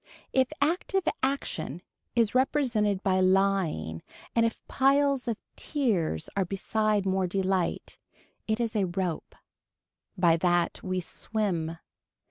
If active action is represented by lying and if piles of tears are beside more delight, it is a rope. By that we swim.